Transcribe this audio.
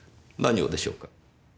何をでしょうか？